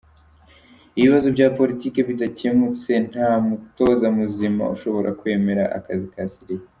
Ibibazo bya politiki bidakemutse, nta mutoza muzima ushobora kwemera akazi ka Syria.